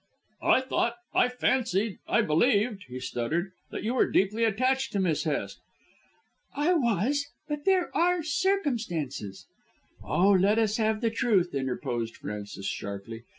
"I thought I fancied I believed," he stuttered, "that you were deeply attached to Miss Hest." "I was, but there are circumstances " "Oh, let us have the truth," interposed Frances sharply.